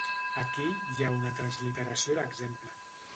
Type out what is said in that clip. Aquí hi ha una transliteració d'exemple.